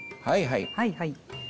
はいはい。